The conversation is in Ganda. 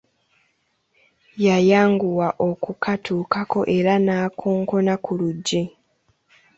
Yayanguwa okukatukako era n'akonkona ku luggi.